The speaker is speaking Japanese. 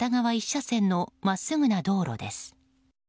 １車線の真っすぐな道路です。